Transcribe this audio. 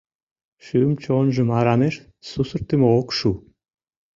Шӱм-чонжым арамеш сусыртымо ок шу.